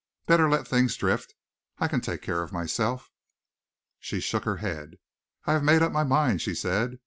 "Better let things drift. I can take care of myself." She shook her head. "I have made up my mind," she said.